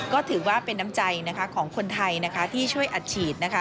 ก็ถือว่าเป็นน้ำใจของคนไทยที่ช่วยอัดฉีด